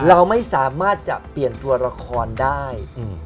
เราไม่สามารถจะเปลี่ยนตัวละครได้